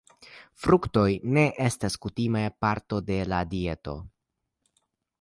Fruktoj ne estas kutime parto de la dieto.